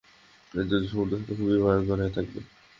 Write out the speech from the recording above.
জো জো-র সমুদ্রযাত্রা খুবই ভয়ঙ্কর হয়ে থাকবে।